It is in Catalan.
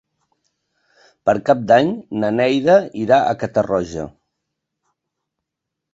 Per Cap d'Any na Neida irà a Catarroja.